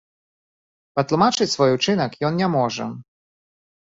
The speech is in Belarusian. Патлумачыць свой учынак ён не можа.